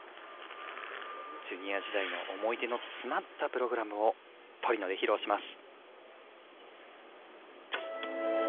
ジュニア時代の思い出の詰まったプログラムをトリノで披露します。